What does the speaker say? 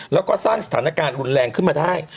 แล้วก็สร้างสถานการณ์รุนแรงขึ้นมาได้